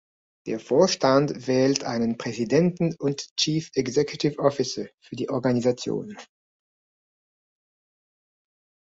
Der Vorstand wählt einen Präsidenten und Chief Executive Officer für die Organisation.